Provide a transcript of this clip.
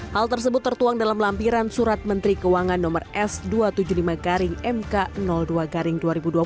hal tersebut tertuang dalam lampiran surat menteri keuangan no s dua ratus tujuh puluh lima garing mk dua garing dua ribu dua puluh